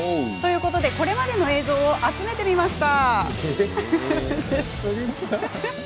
これまでの映像を集めてみました。